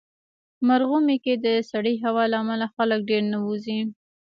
مرغومی کې د سړې هوا له امله خلک ډېر نه وځي.